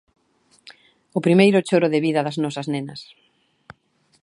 O primeiro choro de vida das nosas nenas.